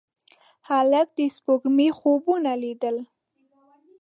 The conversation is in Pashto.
هلک د سپوږمۍ خوبونه لیدل.